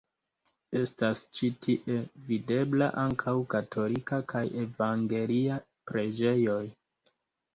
Estas ĉi tie videbla ankaŭ katolika kaj evangelia preĝejoj.